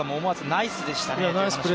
ナイスプレーでしたね。